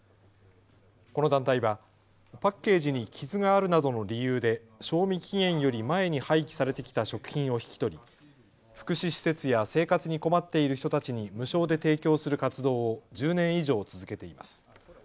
この団体はパッケージに傷があるなどの理由で賞味期限より前に廃棄されてきた食品を引き取り福祉施設や生活に困っている人たちに無償で提供する活動を１０年以上続けています。